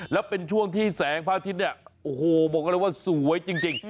ละเป็นช่วงที่แสงพระอาทิตย์โอ้โหบอกว่าละว่าสวยจริง